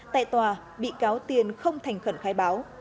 tại tòa bị cáo tiền không thành khẩn khai báo